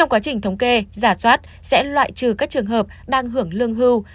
quá trình thống kê giả soát sẽ loại trừ các trường hợp đang hưởng lương hưu